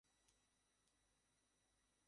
কিন্তু তার আগে আমি একটা বাউন্টি ঘোষণা করছি।